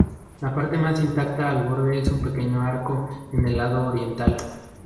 La parte más intacta del borde es un pequeño arco en el lado oriental.